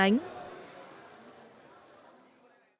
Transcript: cảm ơn các bạn đã theo dõi